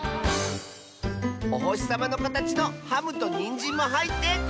おほしさまのかたちのハムとにんじんもはいってかわいい！